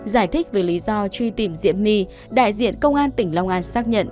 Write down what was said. giải thích về lý do truy tìm diễm my đại diện công an tỉnh long an xác nhận